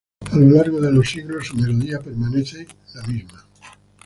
A lo largo de los siglos, su melodía permanece la misma.